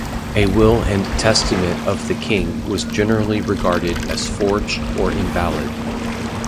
A will and testament of the king was generally regarded as forged or invalid.